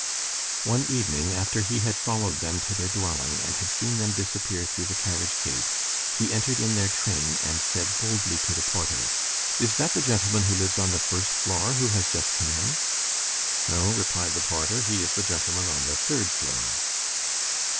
One evening, after he had followed them to their dwelling, and had seen them disappear through the carriage gate, he entered in their train and said boldly to the porter:— "Is that the gentleman who lives on the first floor, who has just come in?" "No," replied the porter. "He is the gentleman on the third floor."